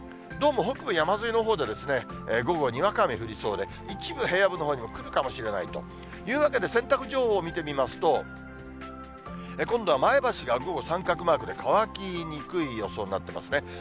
どうも北部山沿いのほうで、午後、にわか雨降りそうで、一部平野部のほうにも来るかもしれないというわけで、洗濯情報見てみますと、今度は前橋が午後三角マークで乾きにくい予想になってますね。